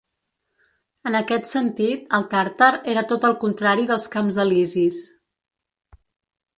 En aquest sentit, el Tàrtar era tot el contrari dels Camps Elisis.